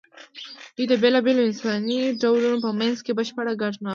دوی د بېلابېلو انساني ډولونو په منځ کې بشپړ ګډ نه وو.